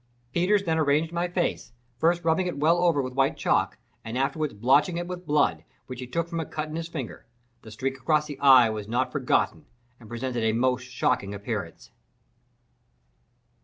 Peters then arranged my face, first rubbing it well over with white chalk, and afterward blotching it with blood, which he took from a cut in his finger. The streak across the eye was not forgotten and presented a most shocking appearance.